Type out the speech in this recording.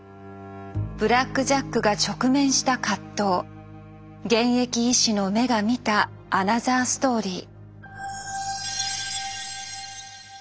「ブラック・ジャック」が直面した葛藤現役医師の目が見たアナザーストーリー。